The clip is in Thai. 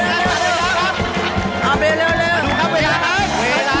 ทำแบบจินถนาการค่ะ